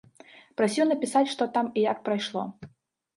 Прасіў напісаць што там і як прайшло.